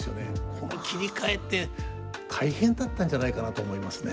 この切り替えって大変だったんじゃないかなと思いますね。